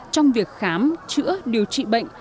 trong việc khám chữa điều trị bệnh